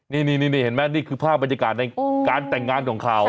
นี่เห็นไหมนี่คือภาพบรรยากาศในการแต่งงานของเขา